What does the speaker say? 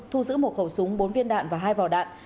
thu giữ một khẩu súng bốn viên đạn và hai vỏ đạn